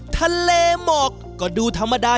ทะเลหมอกก็ดูธรรมดา